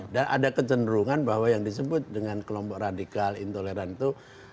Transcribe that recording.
dan ada kecenderungan bahwa yang disebut dengan kelompok radikal intoleran itu